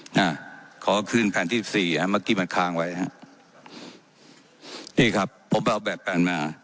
น่ะขอคืนแผ่นที่สี่ฮะเมื่อกี้มันค้างไว้ฮะนี่ครับผมเอาแบบกันมา